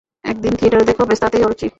একদিন থিয়েটার দেখো, ব্যস, তাতেই অরুচি।